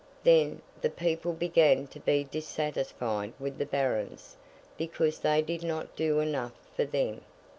Then, the people began to be dissatisfied with the Barons, because they did not do enough for them.